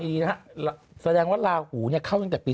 แต่ว่าเรื่องนึงไม่ว่าจะวงการไหนยังไงก็ต้องระวังคือเรื่องสุขภาพ